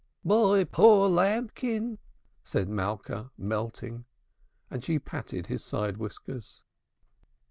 "My poor lambkin," said Malka, melting. And she patted his side whiskers.